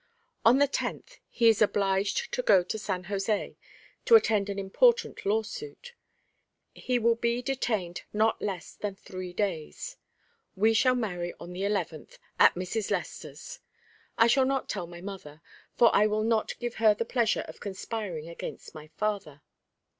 On the tenth, he is obliged to go to San José to attend an important law suit. He will be detained not less than three days. We shall marry on the eleventh at Mrs. Lester's. I shall not tell my mother, for I will not give her the pleasure of conspiring against my father.